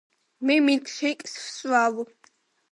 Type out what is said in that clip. მე მილკშეიკს ვსვამ.